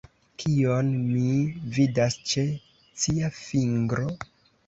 Kion mi vidas ĉe cia fingro?